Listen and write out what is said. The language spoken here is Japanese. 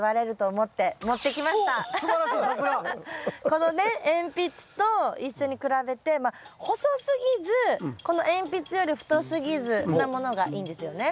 このね鉛筆と一緒に比べて細すぎずこの鉛筆より太すぎずなものがいいんですよね。